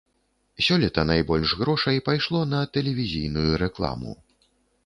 Сёлета найбольш грошай пайшло на тэлевізійную рэкламу.